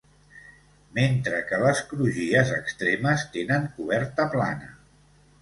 Mentre que les crugies extremes tenen coberta plana.